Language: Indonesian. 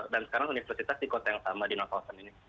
dan sekarang universitas di kota yang sama di north austin ini